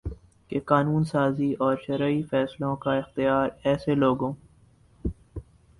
کہ قانون سازی اور شرعی فیصلوں کا اختیار ایسے لوگوں